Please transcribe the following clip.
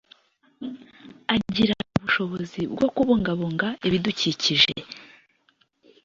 agira ubushobozi bwo kubungabunga ibidukikije;